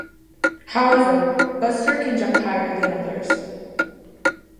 However, Buster can jump higher than others.